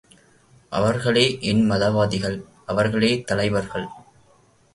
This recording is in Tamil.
அவர்களே என் மதவாதிகள், அவர்களே தலைவர்கள்.